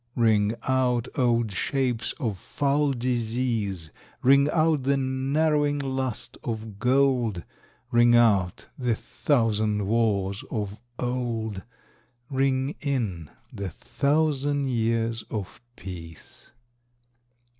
Ring out old shapes of foul disease, Ring out the narrowing lust of gold; Ring out the thousand wars of old, Ring in the thousand years of peace.